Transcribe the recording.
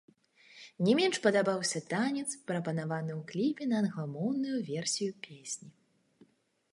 Не менш падабаўся танец, прапанаваны ў кліпе на англамоўную версію песні.